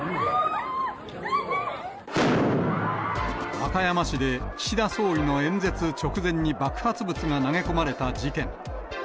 和歌山市で岸田総理の演説直前に爆発物が投げ込まれた事件。